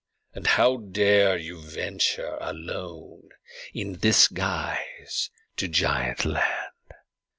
And how dare you venture alone in this guise to Giant Land?"